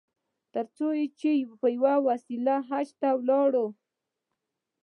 تر څو چې په یوه وسیله حج ته ولاړ.